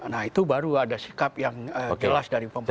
nah itu baru ada sikap yang jelas dari pemerintah